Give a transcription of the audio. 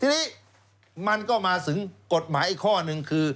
ทีนี้มันก็มาถึงกฎหมายอีกข้อหนึ่งคือ